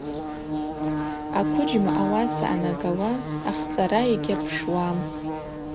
Аквыджьма ауаса анагауа ахцӏара йгьапшуам.